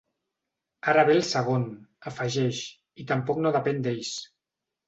Ara ve el segon, afegeix, i tampoc no depèn d’ells.